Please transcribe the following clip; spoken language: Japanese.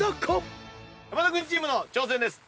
山田君チームの挑戦です。